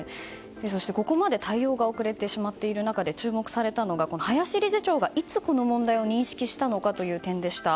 そして、ここまで対応が遅れてしまっている中で注目されたのが林理事長がいつこの問題を認識したかという点です。